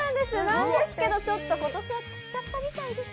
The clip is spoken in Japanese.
なんですけど、ちょっとことしは散っちゃったみたいです。